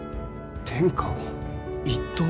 天下を一統？